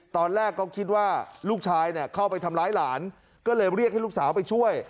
ตอนแรกก็คิดว่าลูกชายเนี่ยเข้าไปทำร้ายหลานก็เลยเรียกให้ลูกสาวไปช่วย